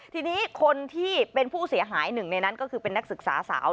ทีนี้คนที่เป็นผู้เสียหายหนึ่งในนั้นก็คือเป็นนักศึกษาสาว